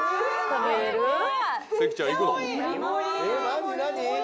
何何？